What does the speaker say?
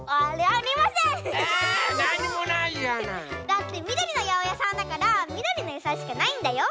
だってみどりのやおやさんだからみどりのやさいしかないんだよ。